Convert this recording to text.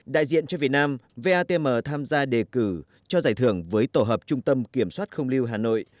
đại diện cho việt nam vatm tham gia đề cử cho giải thưởng với tổ hợp trung tâm kiểm soát không lưu hà nội